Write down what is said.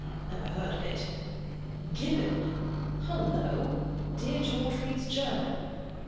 Never heard of it. Gibbon. Hullo! dear George reads German.